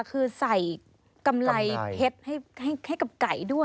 คือใส่กำไรเพชรให้กับไก่ด้วย